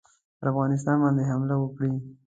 پر افغانستان باندي حمله وکړي.